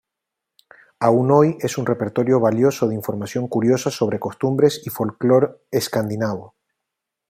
Aún hoy es un repertorio valioso de información curiosa sobre costumbres y folclore escandinavo.